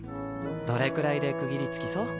どれくらいで区切りつきそう？